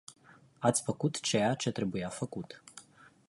Ați făcut ceea ce trebuia făcut.